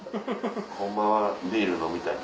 ホンマはビール飲みたい。